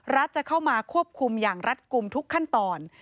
จะเข้ามาควบคุมอย่างรัฐกลุ่มทุกขั้นตอน